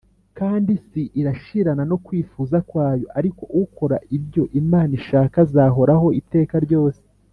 Kandi isi irashirana no kwifuza kwayo, ariko ukora ibyo Imana ishaka azahoraho iteka ryose.